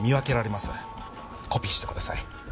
コピーしてください。